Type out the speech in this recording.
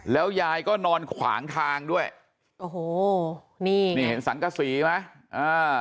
แล้วยายก็นอนขวางทางด้วยโอ้โหนี่นี่เห็นสังกษีไหมอ่า